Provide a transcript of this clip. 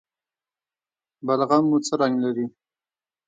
بلغم مو څه رنګ لري؟